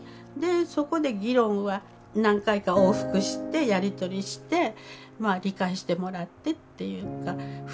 そこで議論は何回か往復してやり取りして理解してもらってっていうか風習が違う面はありますもんね。